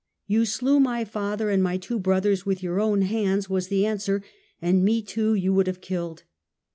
"You slew my father and my two brothers with your own hands," was the answer, "and me too you would have killed.